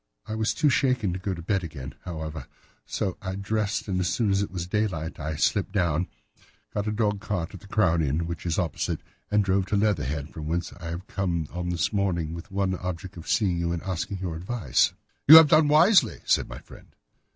I was too shaken to go to bed again, however, so I dressed, and as soon as it was daylight I slipped down, got a dog cart at the Crown Inn, which is opposite, and drove to Leatherhead, from whence I have come on this morning with the one object of seeing you and asking your advice." "You have done wisely," said my friend.